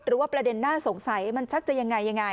หรือว่าประเด็นน่าสงสัยมันชักจะยังไง